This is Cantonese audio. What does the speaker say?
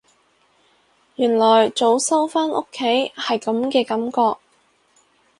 原來早收返屋企係噉嘅感覺